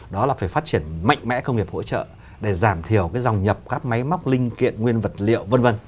đó là phải phát triển mạnh mẽ công nghiệp hỗ trợ để giảm thiểu cái dòng nhập các máy móc linh kiện nguyên vật liệu v v